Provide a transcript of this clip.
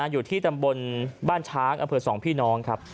อยู่ที่ตำบลบ้านช้างอเผิด๒พี่น้อง